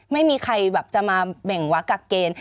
ไม่มีใครแบบจะมาเบ่งวักกับเกณฑ์